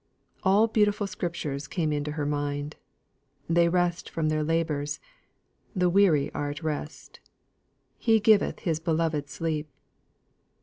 All beautiful scriptures came into her mind. "They rest from their labours." "The weary are at rest." "He giveth his beloved sleep."